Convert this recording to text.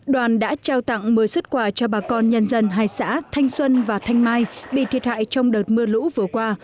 đoàn đã trao tặng một mươi xuất quà cho bà con nhân dân hai xã thanh xuân và thanh mai bị thiệt hại trong đợt mưa lũ vừa qua